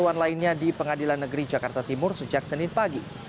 dewan lainnya di pengadilan negeri jakarta timur sejak senin pagi